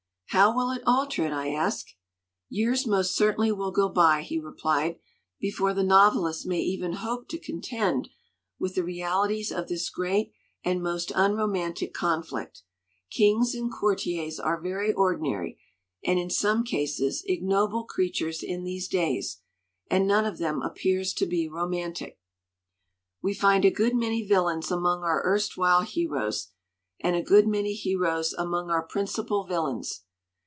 "How will it alter it?" I asked. "Years most certainly will go by," he replied, "before the novelist may even hope to contend with the realities of this great and most unroman tic conflict. Kings and courtiers are very ordi nary, and, in some cases, ignoble creatures in these days, and none of them appears to be romantic. "We find a good many villains among our erst while heroes, and a good many heroes among our principal villains.